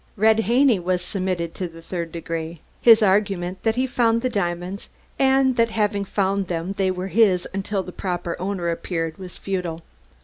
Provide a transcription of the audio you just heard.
Red Haney was submitted to the "third degree." His argument that he found the diamonds, and that having found them they were his until the proper owner appeared, was futile.